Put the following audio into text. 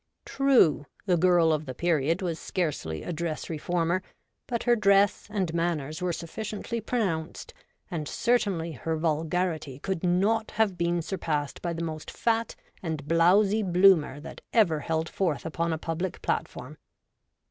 True, the Girl of the Period was scarcely, a dress reformer, but her dress and manners were sufficiently pronounced, and certainly her vulgarity could not have been sur passed by the most fat and blowzy Bloomer that ever held forth upon a public platform.